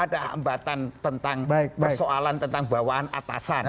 ada hambatan tentang persoalan tentang bawaan atasan